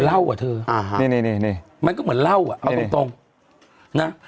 เล่าอ่ะเธออ่าฮะนี่นี่มันก็เหมือนเล่าอ่ะเอาตรงนะ